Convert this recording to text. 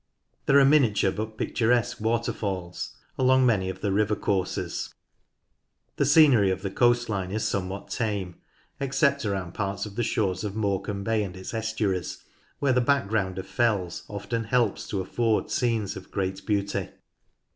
There are miniature but picturesque waterfalls along many of the river courses. The scenery of the coast line is somewhat tame, except around parts of the shores of Morecambe Bay and its estuaries, where the background of fells often helps to afford scenes of great beauty.